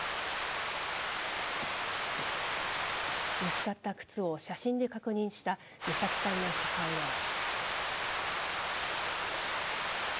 見つかった靴を写真で確認した美咲さんの母親は。